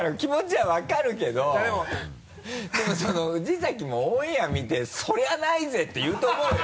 でも藤崎もオンエア見て「そりゃないぜ！」って言うと思うよ